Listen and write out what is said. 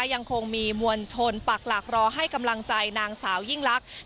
ยังคงมีมวลชนปักหลักรอให้กำลังใจนางสาวยิ่งลักษณ์